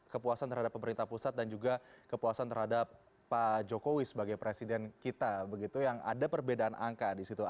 kepuasan terhadap pemerintah pusat dan juga kepuasan terhadap pak jokowi sebagai presiden kita begitu yang ada perbedaan angka di situ